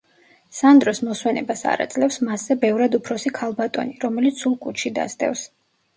სანდროს მოსვენებას არ აძლევს მასზე ბევრად უფროსი ქალბატონი, რომელიც სულ კუდში დასდევს.